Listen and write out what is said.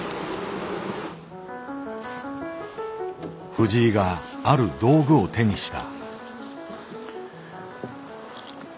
藤井がある道具を手にした。